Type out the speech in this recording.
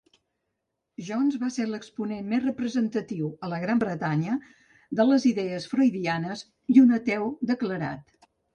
Jones va ser l'exponent més representatiu a Gran Bretanya de les idees freudianes i un ateu declarat.